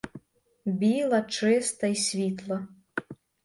Біла, чиста й світла.